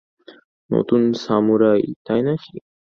নতুন সামুরাই, তাই নাকি?